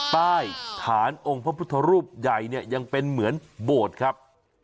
ใต้ฐานองค์พระพุทธรูปใหญ่เนี่ยยังเป็นเหมือนโบสถ์ครับ